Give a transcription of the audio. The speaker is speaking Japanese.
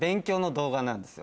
なんですよ。